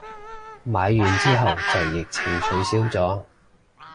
買完之後就疫情取消咗